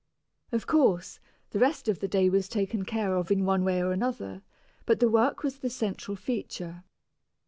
Of course, the rest of the day was taken care of in one way or another, but the work was the central feature.